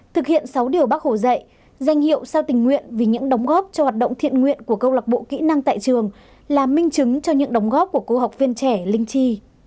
thực hiện sáu điều bác hồ dạy danh hiệu sao tình nguyện vì những đóng góp cho hoạt động thiện nguyện của câu lạc bộ kỹ năng tại trường là minh chứng cho những đóng góp của cô học viên trẻ linh chi